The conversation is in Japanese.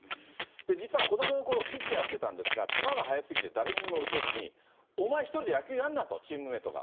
実は子どものころ、ピッチャーやってたんですが、球が速すぎて誰にも打てずに、お前一人で野球やんなと、チームメートが。